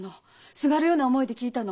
すがるような思いで聞いたの。